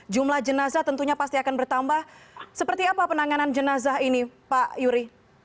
jumlah jenazah tentunya pasti akan bertambah seperti apa penanganan jenazah ini pak yuri